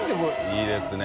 いいですね。